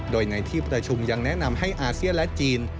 โดยในที่ประชุมยังแนะนำให้อาเซียนและจีน